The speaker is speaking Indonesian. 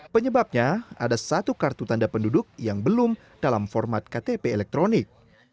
penyebabnya ada satu kartu tanda penduduk yang belum dalam format ktp elektronik